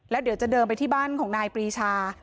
แล้วเดี๋ยวจะเดินไปที่บ้านของนายปรีชา